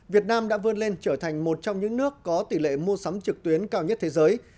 việt nam đã vươn lên trở thành một trong những nước có tỷ lệ mua sắm trực tuyến cao nhất thế giới